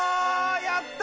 やった！